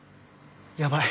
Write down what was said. ヤバい。